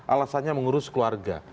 alasannya mengurus keluarga